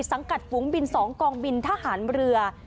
สังกัดฝูงบิน๒กองบินทหารเรือ